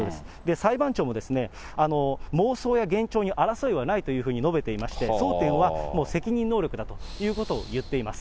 裁判長も妄想や幻聴に争いはないというふうに述べていまして、争点はもう責任能力だということを言っています。